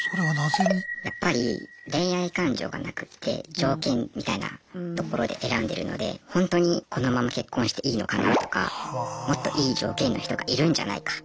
やっぱり恋愛感情がなくて条件みたいなところで選んでるのでほんとにこのまま結婚していいのかなとかもっといい条件の人がいるんじゃないかとか。